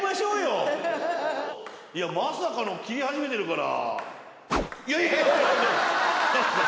いやまさかの切り始めてるから。